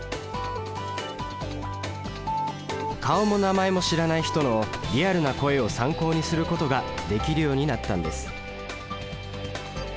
顔も名前も知らない人のリアルな声を参考にすることができるようになったんです。